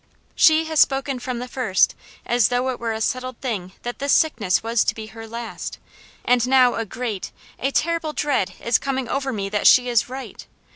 "She has spoken from the first as though it were a settled thing that this sickness was to be her last; and now a great, a terrible dread is coming over me that she is right.